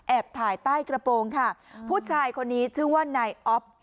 ถ่ายใต้กระโปรงค่ะผู้ชายคนนี้ชื่อว่านายอ๊อฟ